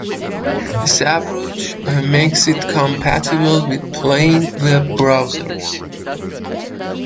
This approach makes it compatible with plain Web browsers.